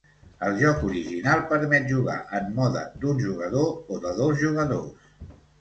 El joc original permet jugar en mode d'un jugador o de dos jugadors.